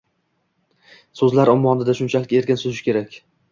so’zlar ummonida shunchalik erkin suzishi kerak.